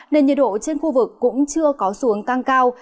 nên nhiệt độ trên khu vực cũng chưa có xuống tăng cao